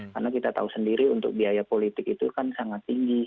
karena kita tahu sendiri untuk biaya politik itu kan sangat tinggi